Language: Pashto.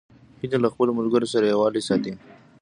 هیلۍ له خپلو ملګرو سره یووالی ساتي